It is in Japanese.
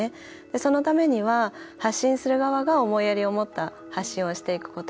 そのためには発信する側が思いやりを持った発信をしていくこと。